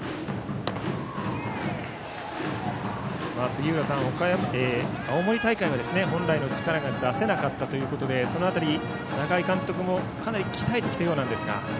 杉浦さん、青森大会は本来の力が出せなかったということでその辺り、仲井監督もかなり鍛えてきたようですが。